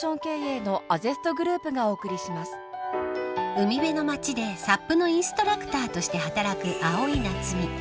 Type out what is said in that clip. ［海辺の街でサップのインストラクターとして働く蒼井夏海］